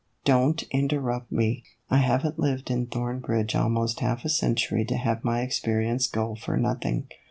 Don't interrupt me. I have n't lived in Thornbridge almost half a century to have my experience go for nothing.